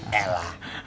he eh lah